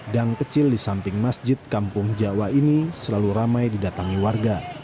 kecil di samping masjid kampung jawa ini selalu ramai didatangi warga